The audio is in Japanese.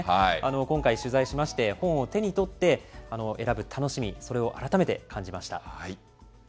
今回、取材しまして、本を手に取って選ぶ楽しみ、それを改めて感じました。